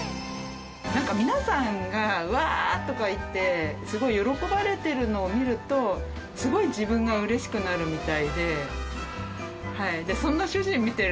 皆さんがワーッ！とか言ってすごい喜ばれているのを見るとすごい自分が嬉しくなるみたいで。